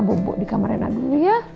bobo di kamar rena dulu ya